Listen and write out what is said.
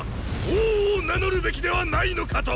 “王”を名乗るべきではないのかと！